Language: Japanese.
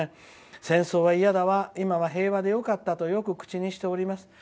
「戦争はいやだわ今は平和でよかったとよく口にしております。